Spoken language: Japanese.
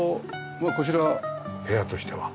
まあこちら部屋としては。